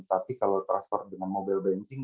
tapi kalau transfer dengan mobile banking